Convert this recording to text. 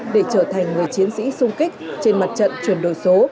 để trở thành người chiến sĩ sung kích trên mặt trận chuyển đổi số